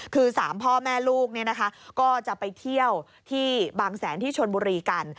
คือ๓พ่อแม่ลูกก็จะไปเที่ยวที่บางแสนที่ชนบุรีกัน